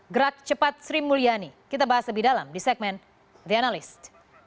gerak cepat sri mulyani kita bahas lebih dalam di segmen the analyst